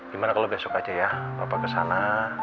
gimana kalau besok aja ya papa kesana